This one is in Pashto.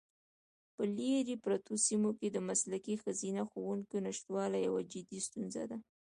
په لیرې پرتو سیمو کې د مسلکي ښځینه ښوونکو نشتوالی یوه جدي ستونزه ده.